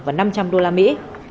và năm trăm linh đô la mỹ